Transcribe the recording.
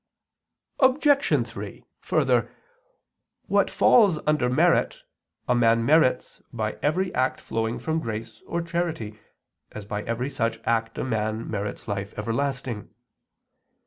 Obj. 3: Further, what falls under merit a man merits by every act flowing from grace or charity, as by every such act a man merits life everlasting.